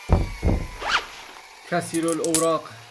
کثیرالاوراق